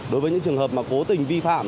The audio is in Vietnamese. đối với những trường hợp mà cố tình vi phạm